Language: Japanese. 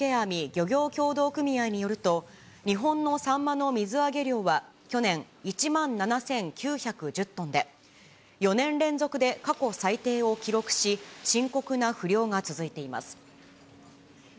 漁業協同組合によると、日本のサンマの水揚げ量は去年１万７９１０トンで、４年連続で過去最低を記録し、深刻な不漁が続いています。